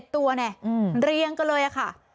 ๗ตัวเรียงกันเลยค่ะ